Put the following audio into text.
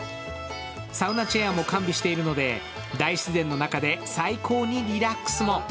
サウナチェアも完備しているので、大自然の中で最高にリラックスも。